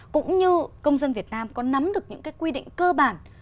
cũng như công dân việt nam có nắm được những quy định cơ bản